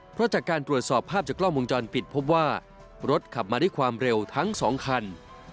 เพราะจากการตรวจสอบภาพจากกล้องวงจรปิดพบว่ารถขับมาด้วยความเร็วทั้งสองคัน